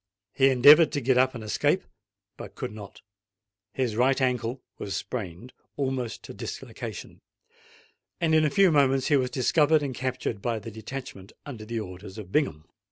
He endeavoured to get up and escape—but could not: his right ankle was sprained, almost to dislocation; and in a few minutes he was discovered and captured by the detachment under the orders of Bingham.